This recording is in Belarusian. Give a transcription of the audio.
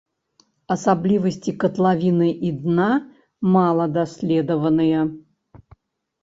Асаблівасці катлавіны і дна мала даследаваныя.